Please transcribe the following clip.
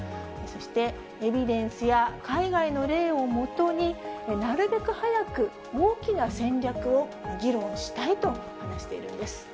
そして、エビデンスや海外の例を基に、なるべく早く大きな戦略を議論したいと話しているんです。